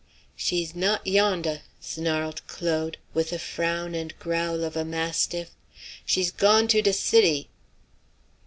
"She's not yondah!" snarled Claude, with the frown and growl of a mastiff. "She's gone to de city."